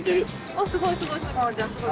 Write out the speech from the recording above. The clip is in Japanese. おすごいすごいすごい。